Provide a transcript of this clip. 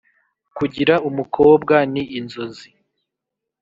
kugira umukobwa ni inzozi